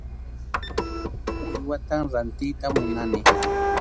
Uywatam rantiyta munani.